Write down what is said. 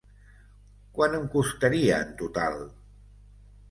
Quant em costaria en total?